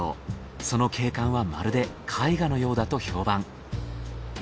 その景観はまるで絵画のようだと評判。